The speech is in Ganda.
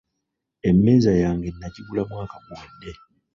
Emmeeza yange nagigula mwaka guwedde.